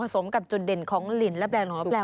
ผสมกับจุดเด่นของหลินลับแร่หลงหลับแร่